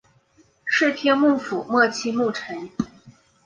室町幕府末期幕臣。